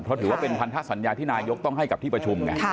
เพราะถือว่าเป็นพันธสัญญาที่นายกต้องให้กับที่ประชุมไง